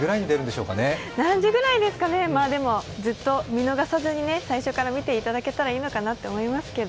何時ぐらいですかね、ずっと見逃さずに最初から見ていただけたらいいのかなと思いますけど。